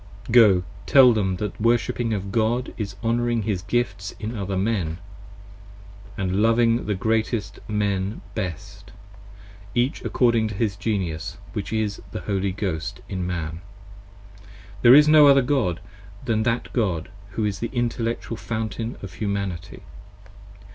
Go, tell them that the Worship of God, is honouring his gifts In other men: & loving the greatest men best, each according To his Genius, which is the Holy Ghost in Man; there is no other 10 God, than that God who is the intellectual fountain of Humanity.